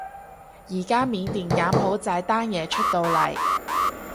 而家緬甸柬埔寨單嘢出到嚟